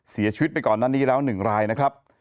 เสียชีวิตไปก่อนหน้านี้แล้ว๑รายนะครับ